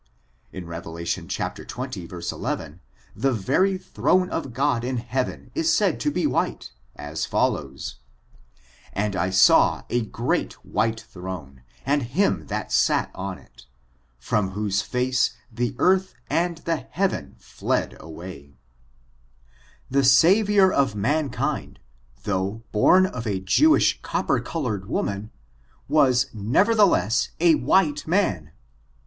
In Rev. zx, 11, the very throne of God in heaven is said to be white, as follows :" And I saw a great white throne^ and him that sat on it, from whose face the earth and the heaven [firmament] fled away," The Savior of mankind, though bom of a Jew ish copper colored woman, was nevertheless a white man.